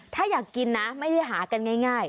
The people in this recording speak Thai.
ถ้าอยากกินนะไม่ได้หากันง่าย